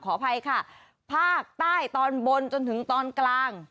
ขออภัยค่ะภาคใต้ตอนบนจนถึงตอนกลาง